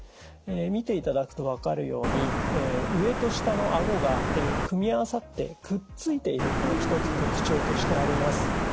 見ていただくと分かるように上と下のあごが組み合わさってくっついているのが一つ特徴としてあります。